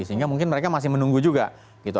sehingga mungkin mereka masih menunggu juga gitu